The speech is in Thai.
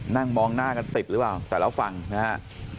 นั่งมองหน้ากันติดหรือเปล่าแต่ละฝั่งนะฮะ